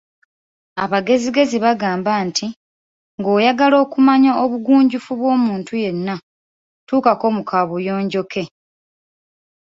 Abagezigezi bagamba nti, ng‘oyagala okumanya obugunjufu bw‘omuntu yenna tuukako mu kabuyonjo ke.